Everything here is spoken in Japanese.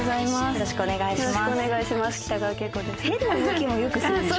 よろしくお願いします。